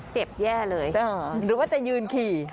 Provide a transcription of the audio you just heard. เจ็บแย่เลยหรือว่าจะยืนขี่